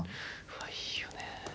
うわいいよね。